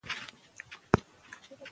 مونږ ښار ته کله ځو؟